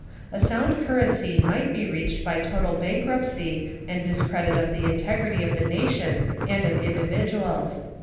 A sound currency might be reached by total bankruptcy and discredit of the integrity of the nation and of individuals.